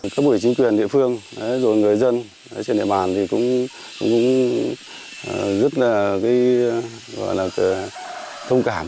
các bộ chính quyền địa phương người dân trên địa bàn cũng rất thông cảm